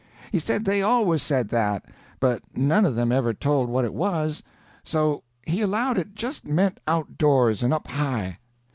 He said they always said that, but none of them ever told what it was, so he allowed it just meant outdoors and up high.